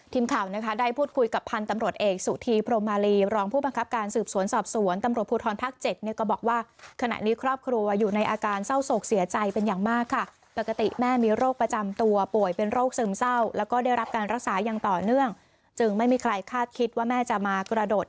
ทีมข่าวนะคะได้พูดคุยกับพันธุ์ตำรวจเอกสุธีพรมมาลีรองผู้บังคับการสืบสวนสอบสวนตำรวจภูทรภาค๗เนี่ยก็บอกว่าขณะนี้ครอบครัวอยู่ในอาการเศร้าโศกเสียใจเป็นอย่างมากค่ะปกติแม่มีโรคประจำตัวป่วยเป็นโรคซึมเศร้าแล้วก็ได้รับการรักษาอย่างต่อเนื่องจึงไม่มีใครคาดคิดว่าแม่จะมากระโดด